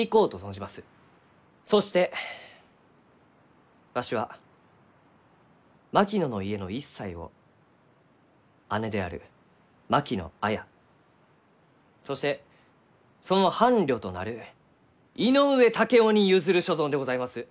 そしてわしは槙野の家の一切を姉である槙野綾そしてその伴侶となる井上竹雄に譲る所存でございます。